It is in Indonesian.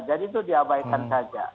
jadi itu diabaikan saja